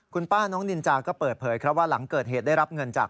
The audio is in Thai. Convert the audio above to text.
คุณป้าน้องนินจาก็เปิดเผยครับว่าหลังเกิดเหตุได้รับเงินจาก